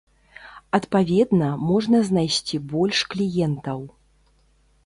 Адпаведна, можна знайсці больш кліентаў.